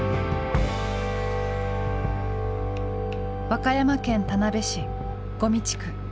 和歌山県田辺市五味地区。